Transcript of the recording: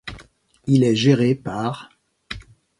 Il est géré par.